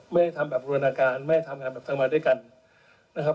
ไม่ได้ทำแบบบูรณาการไม่ให้ทำงานแบบทำงานด้วยกันนะครับ